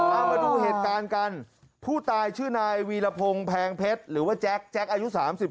เอามาดูเหตุการณ์กันผู้ตายชื่อนายวีรพงศ์แพงเพชรหรือว่าแจ๊คแจ็คอายุ๓๓